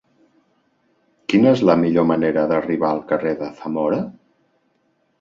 Quina és la millor manera d'arribar al carrer de Zamora?